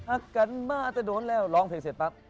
อาการมาแต่โดนแล้วร้องเพลงเสร็จปั๊บ